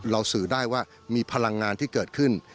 สื่อได้ว่ามีพลังงานที่เกิดขึ้น